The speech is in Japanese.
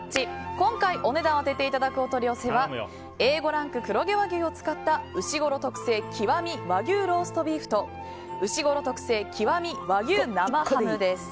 今回お値段を当てていただくお取り寄せはＡ５ランク黒毛和牛を使ったうしごろ特製“極”和牛ローストビーフとうしごろ特製“極”和牛生ハムです。